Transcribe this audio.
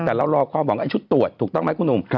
แต่เรารอความหวังอันชุดตรวจถูกต้องไหมคุณหนุ่ม